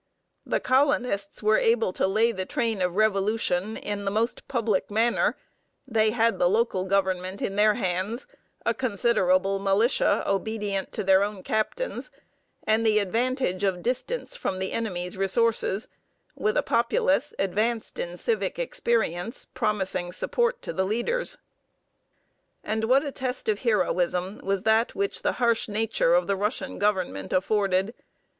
The colonists were able to lay the train of revolution in the most public manner, they had the local government in their hands, a considerable militia obedient to their own captains, and the advantage of distance from the enemy's resources, with a populace advanced in civic experience promising support to the leaders. And what a test of heroism was that which the harsh nature of the Russian Government afforded!